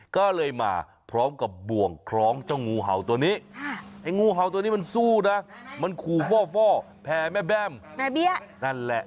ก็เลยมาพร้อมกับบ่วงคล้องเจ้างูเห่าตัวนี้ไอ้งูเห่าตัวนี้มันสู้นะมันขู่ฟ่อแผ่แม่แบ้มแม่เบี้ยนั่นแหละ